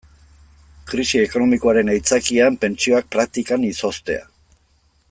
Krisi ekonomikoaren aitzakian pentsioak praktikan izoztea.